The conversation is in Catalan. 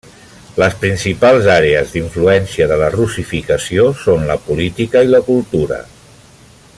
Les principals àrees d'influència de la russificació són la política i la cultura.